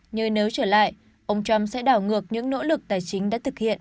nhưng nếu trở lại ông trump sẽ đảo ngược những nỗ lực tài chính đã thực hiện